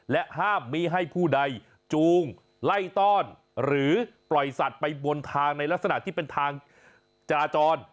ห้ามมีให้ผู้ใดจูงไล่ต้อนหรือปล่อยสัตว์ไปบนทางในลักษณะที่เป็นทางจราจร